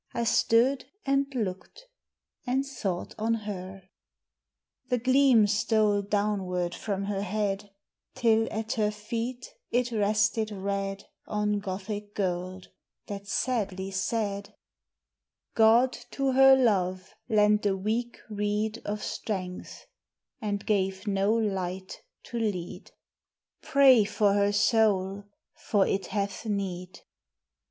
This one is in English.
I stood and looked and thought on her. The gleam stole downward from her head, Till at her feet it rested red On Gothic gold, that sadly said: "God to her love lent a weak reed Of strength: and gave no light to lead: Pray for her soul; for it hath need."